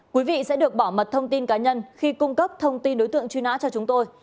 quý vị sẽ được bảo mật thông tin cá nhân khi cung cấp thông tin đối tượng truy nã cho chúng tôi